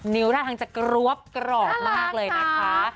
นิ้วน่าทางจะกรวบกรอบมากเลยนะคะน่ารัก